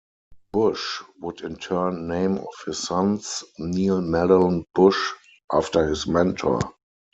Bush would in turn name of his sons, Neil Mallon Bush, after his mentor.